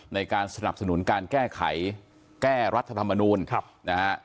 ในการสนับสนุนการแก้ไขแก้รัฐธรรมนูลนะฮะ